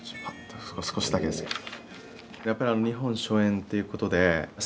少しだけですけど。